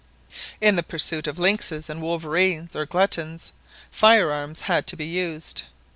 In the pursuit of lynxes and wolverines or gluttons, fire arms had to be used.